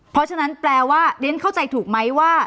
เพราะฉะนั้นแปลว่าเรียนเข้าใจถูกไหมว่า